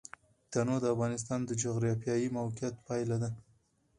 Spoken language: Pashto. تنوع د افغانستان د جغرافیایي موقیعت پایله ده.